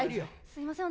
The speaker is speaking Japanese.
すいません。